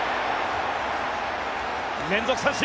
連続三振！